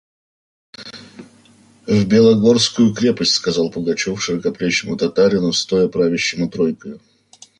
«В Белогорскую крепость!» – сказал Пугачев широкоплечему татарину, стоя правящему тройкою.